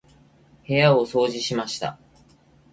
部屋を掃除しました。